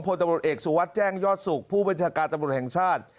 พลตมติเอกสูวัฒน์แจ้งยอดสูกผู้บัญชากาตรรวจแห่งชาติ